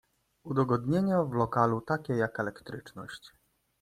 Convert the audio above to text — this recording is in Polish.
Udogodnienia w lokalu takie jak elektryczność.